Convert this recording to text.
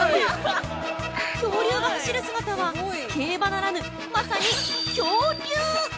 恐竜が走る姿は、競馬ならぬまさに競竜！